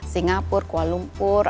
singapura kuala lumpur